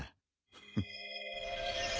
フッ。